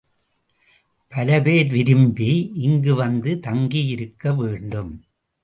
பலபேர் விரும்பி இங்கு வந்து தங்கியிருக்க வேண்டும்.